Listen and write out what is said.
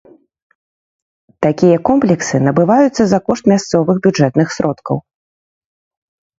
Такія комплексы набываюцца за кошт мясцовых бюджэтных сродкаў.